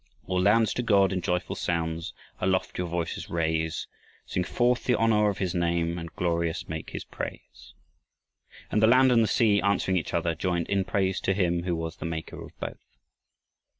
All lands to God in joyful sounds Aloft your voices raise, Sing forth the honor of his name, And glorious make his praise! And the land and the sea, answering each other, joined in praise to him who was the Maker of both.